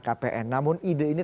namun ide ini ternyata tidak berhasil